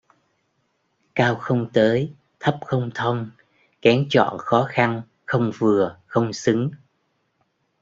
Cao không tới, thấp không thông: kén chọn khó khăn, không vừa, không xứng